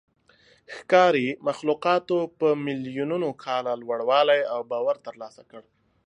ښکاري مخلوقاتو په میلیونونو کاله لوړوالی او باور ترلاسه کړ.